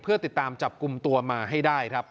เพื่อติดตามจับกลุ่มตัวมาให้ได้ครับ